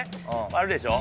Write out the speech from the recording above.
あるでしょ？